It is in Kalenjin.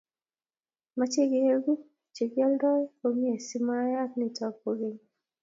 mache kegu che kildoi komie si mayaak nitok kogeny